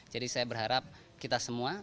jadi saya berharap kita semua